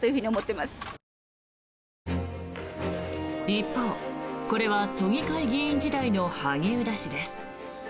一方、これは都議会議員時代の萩生田氏です。